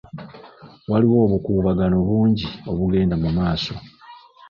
Waliwo obukuubagano bungi obugenda mu maaso.